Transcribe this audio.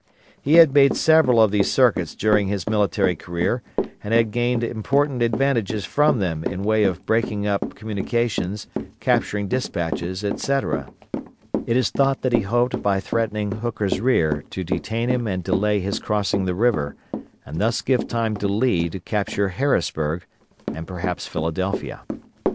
He had made several of these circuits during his military career, and had gained important advantages from them in way of breaking up communications, capturing despatches, etc. It is thought that he hoped by threatening Hooker's rear to detain him and delay his crossing the river, and thus give time to Lee to capture Harrisburg, and perhaps Philadelphia.